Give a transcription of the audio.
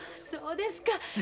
そうですか。